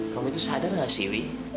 kamu itu sadar gak sih wi